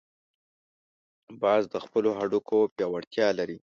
باز د خپلو هډوکو پیاوړتیا لري